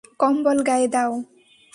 কম্বল গায়ে দাও!